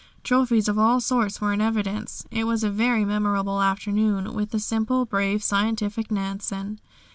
Trophies of all sorts were in evidence. It was a very memorable afternoon with the simple, brave, scientific Nansen.